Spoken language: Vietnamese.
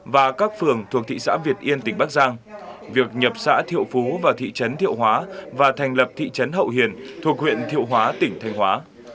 và các phường thuộc thị xã việt yên tỉnh bắc giang việc nhập xã thiệu phú vào thị trấn thiệu hóa và thành lập thị trấn hậu hiền thuộc huyện thiệu hóa tỉnh thanh hóa